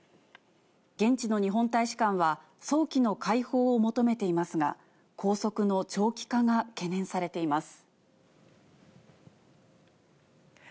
現地の日本大使館は、早期の解放を求めていますが、拘束の長期化が懸念されています。